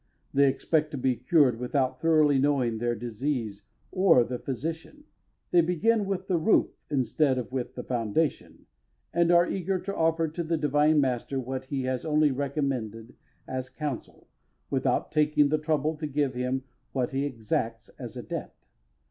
They expect to be cured without thoroughly knowing their disease or the physician. They begin with the roof instead of with the foundations, and are eager to offer to the divine Master what He has only recommended as a counsel, without taking the trouble to give Him what He exacts as a debt.